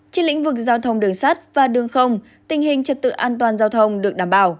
trên lĩnh vực giao thông đường sắt và đường không tình hình trật tự an toàn giao thông được đảm bảo